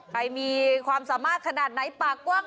มีความสามารถขนาดไหนปากกว้าง